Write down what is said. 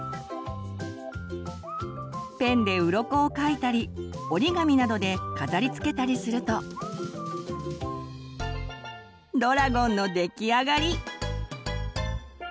ペンでうろこを描いたり折り紙などで飾りつけたりするとドラゴンの出来上がり！